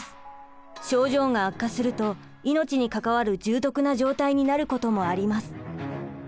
症状が悪化すると命に関わる重篤な状態になることもあります。